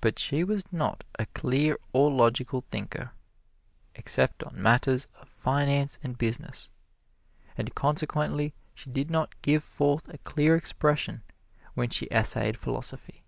But she was not a clear or logical thinker, except on matters of finance and business, and consequently she did not give forth a clear expression when she essayed philosophy.